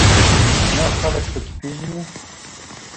نه خلک په کې پېژنې.